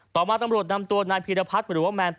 ต่อมาตำรวจนำตัวนายพีรพัฒน์หรือว่าแมน